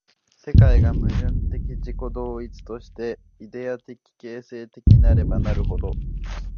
世界が矛盾的自己同一として、イデヤ的形成的なればなるほど、